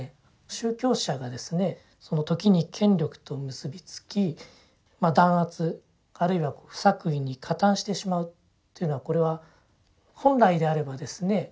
宗教者がですね時に権力と結び付き弾圧あるいは不作為に加担してしまうというのはこれは本来であればですね